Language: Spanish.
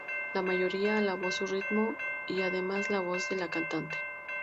La mayoría alabó su ritmo y además la voz de la cantante.